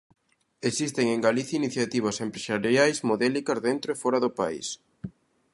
Existen en Galicia iniciativas empresariais modélicas dentro e fóra do país.